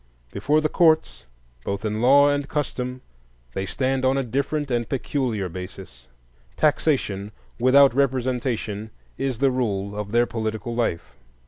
Before the courts, both in law and custom, they stand on a different and peculiar basis. Taxation without representation is the rule of their political life.